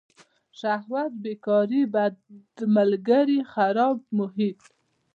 شهوت بیکاري بد ملگري خرابه محیط.